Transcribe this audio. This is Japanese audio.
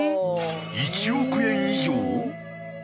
１億円以上？